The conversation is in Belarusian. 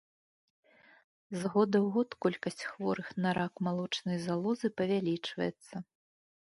З года ў год колькасць хворых на рак малочнай залозы павялічваецца.